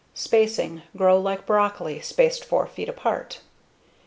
_Spacing: _Grow like broccoli, spaced 4 feet apart.